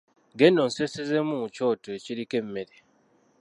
Genda onseesezeemu mu kyoto ekiriko emmere.